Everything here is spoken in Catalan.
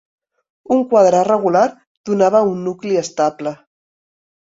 Un quadre regular donava un nucli estable.